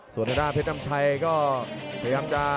ส่วนทางด้านเพชรน้ำชัยก็พยายามจะ